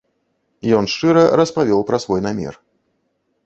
Ён шчыра распавёў пра свой намер.